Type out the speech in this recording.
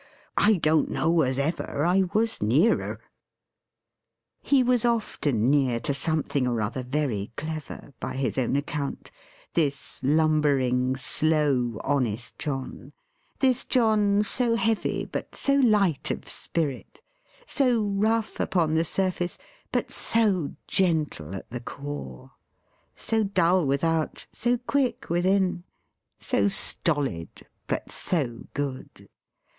I don't know as ever I was nearer." He was often near to something or other very clever, by his own account: this lumbering, slow, honest John; this John so heavy but so light of spirit; so rough upon the surface, but so gentle at the core; so dull without, so quick within; so stolid, but so good!